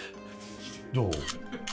どう？